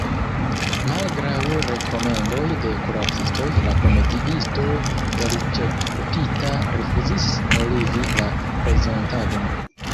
Malgraŭ rekomendoj de kuracistoj, la komediisto, elĉerpita, rifuzis nuligi la prezentadon.